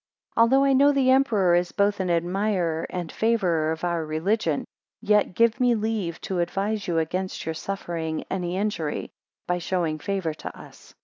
ALTHOUGH I know the emperor is both an admirer and favourer of our religion, yet give me leave to advise you against your suffering any injury (by showing favour to us).